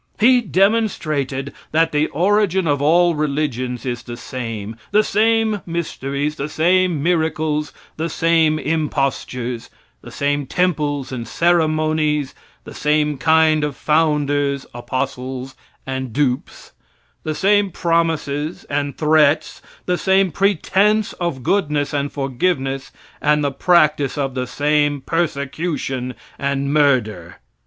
He demonstrated that the origin of all religions is the same, the same mysteries the same miracles the same impostures the same temples and ceremonies the same kind of founders, apostles and dupes the same promises and threats the same pretense of goodness and forgiveness and the practice of the same persecution and murder.